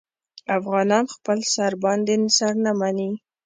افغانان خپل سر باندې سر نه مني.